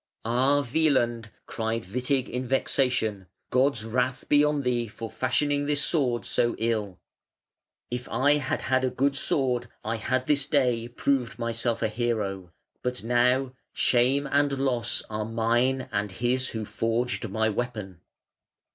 "Ah, Wieland!" cried Witig in vexation, "God's wrath be on thee for fashioning this sword so ill! If I had had a good sword, I had this day proved myself a hero; but now shame and loss are mine and his who forged my weapon".